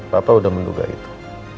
papa udah menduga itu